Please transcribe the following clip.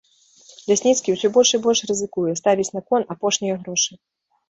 Лясніцкі ўсё больш і больш рызыкуе, ставіць на кон апошнія грошы.